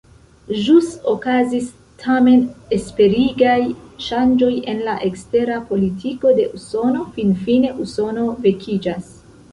Ĵus okazis tamen esperigaj ŝanĝoj en la ekstera politiko de Usono: finfine Usono vekiĝas.